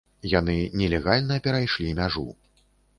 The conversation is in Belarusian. Яны нелегальна перайшлі мяжу.